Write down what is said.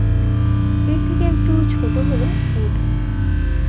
এর থেকে একটু ছোট হল "উড"।